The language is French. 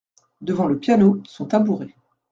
Devant le piano, son tabouret.